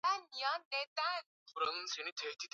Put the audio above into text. rais dennis sungweso na teondoro obiang gwema